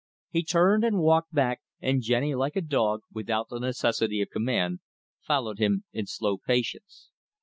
He turned and walked back, and Jenny, like a dog, without the necessity of command, followed him in slow patience.